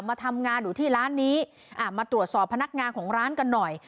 มาทำงานอยู่ที่ร้านนี้อ่ามาตรวจสอบพนักงานของร้านกันหน่อย